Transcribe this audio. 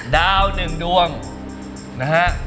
ดาว๑ดวงนะฮะ